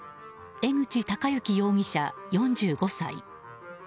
江口貴幸容疑者、４５歳。